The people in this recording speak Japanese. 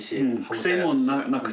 癖もなくて。